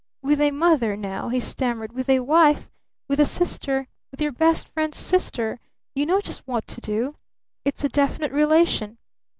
With a mother, now," he stammered, "with a wife, with a sister, with your best friend's sister, you know just what to do! It's a definite relation!